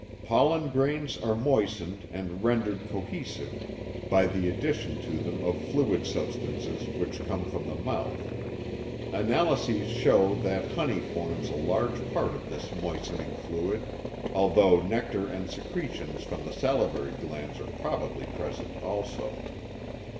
Pollen grains are moistened and rendered cohesive by the addition to them of fluid substances which come from the mouth. Analyses show that honey forms a large part of this moistening fluid, although nectar and secretions from the salivary glands are probably present also.